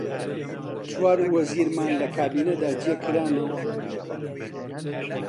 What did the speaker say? چوار وەزیرمان لە کابینەدا جێ کرانەوە: